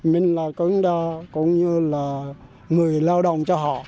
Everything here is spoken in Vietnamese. mình là cũng như là người lao động cho họ